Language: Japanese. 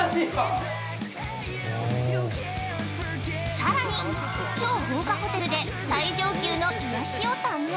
◆さらに、超豪華ホテルで最上級の癒やしを堪能。